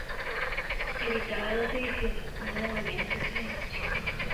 Editaba dos ediciones, una de mañana y otra de noche.